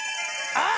あ！